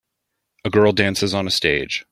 A girl dances on a stage.